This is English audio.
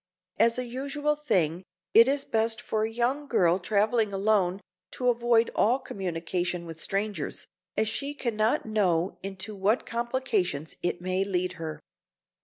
As a usual thing, it is best for a young girl traveling alone, to avoid all communication with strangers, as she can not know into what complications it may lead her.